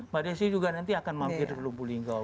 pak desi juga nanti akan mampir lubulingga